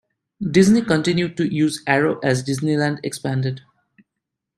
Disney continued to use Arrow as Disneyland expanded.